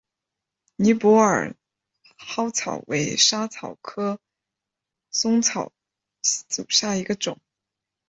尼泊尔嵩草为莎草科嵩草属下的一个种。